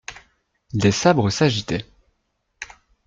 Des sabres s'agitaient.